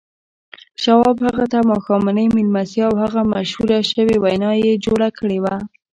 شواب ته هغه ماښامنۍ مېلمستیا او هغه مشهوره شوې وينا يې جوړه کړې وه.